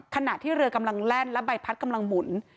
ขณะที่เรือกำลังแล่นและใบพัดกำลังหมุน